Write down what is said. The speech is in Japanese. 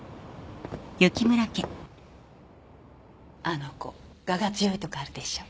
あの子我が強いとこあるでしょ。